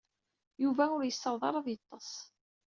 Yuba ur yessaweḍ ara ad yeḍḍes.